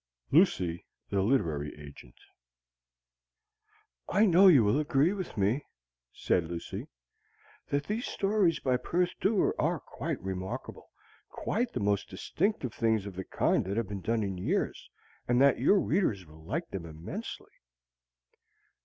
LUCY THE LITERARY AGENT "I know you will agree with me," said Lucy, "that these stories by Perth Dewar are quite remarkable, quite the most distinctive things of the kind that have been done in years, and that your readers will like them immensely."